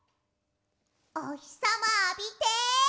おひさまあびて。